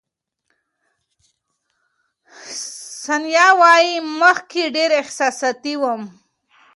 ثانیه وايي، مخکې ډېره احساساتي وم.